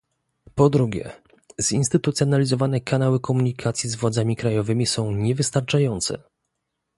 Po drugie, zinstytucjonalizowane kanały komunikacji z władzami krajowymi są niewystarczające